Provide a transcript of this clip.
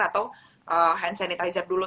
atau hand sintyzer dulu